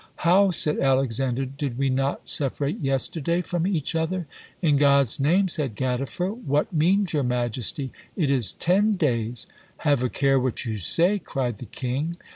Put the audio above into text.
How, said Alexander, did we not separate yesterday from each other? In God's name, said Gadiffer, what means your majesty? It is ten days! Have a care what you say, cried the king.